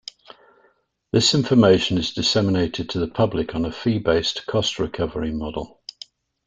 This information is disseminated to the public on a fee-based cost-recovery model.